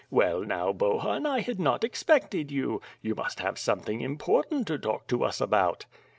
Well now, Bohun, I had not expected you. You must have something important to talk to us about."